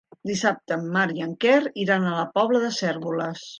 Dissabte en Marc i en Quer iran a la Pobla de Cérvoles.